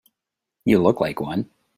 You look like one.